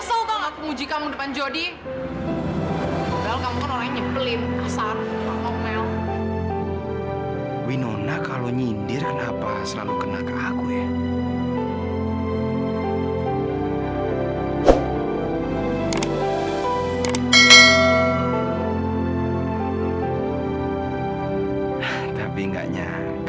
sampai jumpa di video selanjutnya